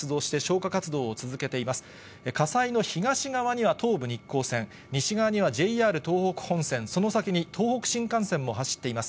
火災の東側には東武日光線、西側にはＪＲ東北本線、その先に東北新幹線も走っています。